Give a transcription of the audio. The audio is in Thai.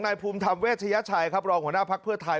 ภูมิธรรมเวชยชัยครับรองหัวหน้าภักดิ์เพื่อไทย